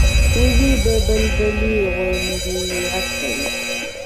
وزې د بلبلي غوندې غږ کوي